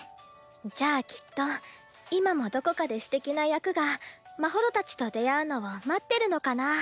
じゃあきっと今もどこかですてきな役がまほろたちと出会うのを待ってるのかな？